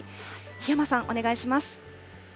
檜山さん、お願いします。